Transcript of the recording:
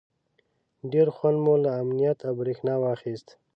ډېر خوند مو له امنیت او برېښنا واخیست.